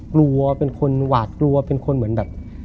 กลัวเป็นคนหวาดกลัวเป็นคนเหมือนแบบ